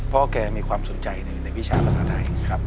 เพราะแกมีความสนใจในวิชาภาษาไทยครับ